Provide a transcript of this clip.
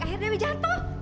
akhirnya dewi jatuh